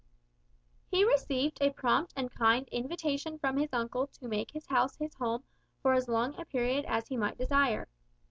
He received a prompt and kind invitation from his uncle to make his house his home for as long a period as he might desire.